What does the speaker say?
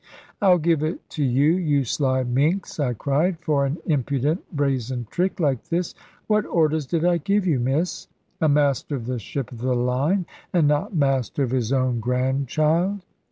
"I'll give it to you, you sly minx," I cried, "for an impudent, brazen trick like this. What orders did I give you, Miss? A master of a ship of the line, and not master of his own grandchild!"